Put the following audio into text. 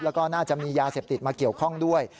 แล้วก็น่าจะมียาเสพติดมาเกี่ยวข้องด้วย